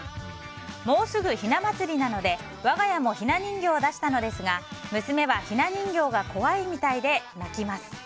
もうすぐひな祭りなので我が家もひな人形を出したのですが娘はひな人形が怖いみたいで泣きます。